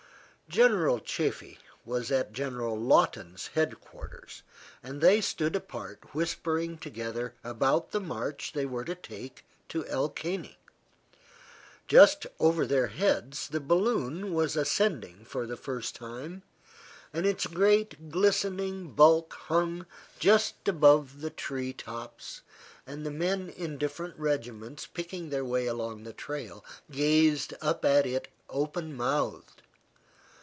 General Chaffee was at General Lawton's head quarters, and they stood apart whispering together about the march they were to take to El Caney. Just over their heads the balloon was ascending for the first time and its great glistening bulk hung just above the tree tops, and the men in different regiments, picking their way along the trail, gazed up at it open mouthed.